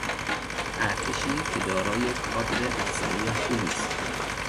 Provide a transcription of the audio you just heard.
ارتشی که دارای کادر افسری خوبی است.